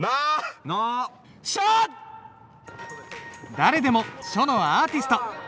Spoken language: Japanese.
誰でも書のアーティスト。